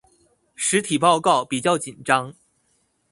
實體報告比較緊張